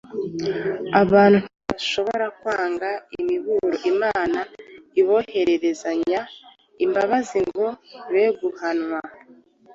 Abantu ntibashobora kwanga imiburo Imana iboherezanya imbabazi ngo be guhanwa.